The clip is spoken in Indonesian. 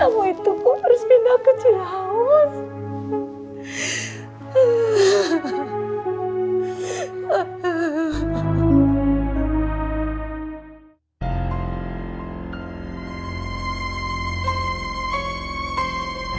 kamu itu pun harus pindah kecil laos